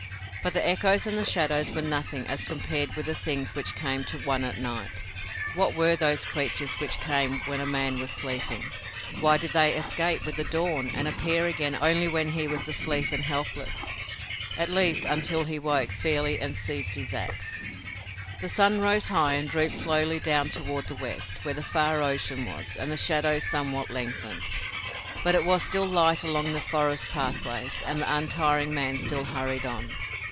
But the echoes and the shadows were nothing as compared with the things which came to one at night. What were those creatures which came when a man was sleeping? Why did they escape with the dawn and appear again only when he was asleep and helpless, at least until he awoke fairly and seized his ax? The sun rose high and dropped slowly down toward the west, where the far ocean was, and the shadows somewhat lengthened, but it was still light along the forest pathways and the untiring man still hurried on.